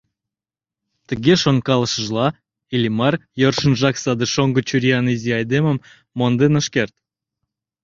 Тыге шонкалышыжла Иллимар йӧршынжак саде шоҥго чуриян изи айдемым монден ыш керт.